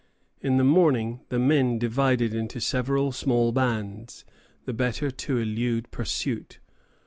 In the morning the men divided into several small bands, the better to elude pursuit.